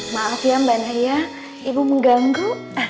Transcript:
maaf ya mbak naya ibu mengganggu